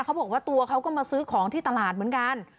เขาบอกว่าตัวเขาก็มาซื้อของที่ตลาดเหมือนกัน